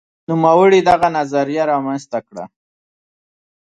نوموړي دغه نظریه رامنځته کړه.